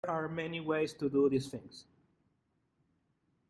There are many ways to do these things.